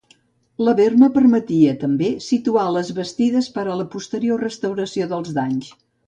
La berma permetia, també, situar les bastides per a la posterior restauració dels danys.